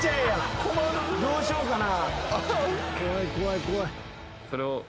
どうしようかな。